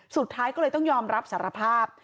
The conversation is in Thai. สุดท้ายก็เลยต้องยอมรับสารภาพ